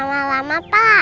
mama jangan lama lama pak